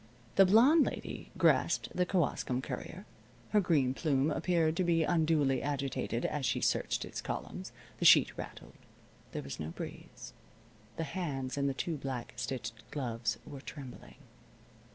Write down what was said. The blonde lady grasped the Kewaskum Courier. Her green plume appeared to be unduly agitated as she searched its columns. The sheet rattled. There was no breeze. The hands in the too black stitched gloves were trembling.